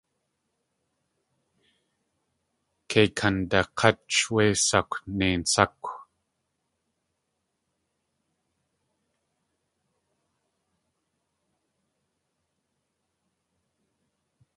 Kei kandak̲ách wé sakwnein sákw.